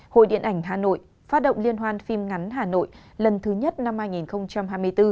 hội điện ảnh hà nội phát động liên hoan phim ngắn hà nội lần thứ nhất năm hai nghìn hai mươi bốn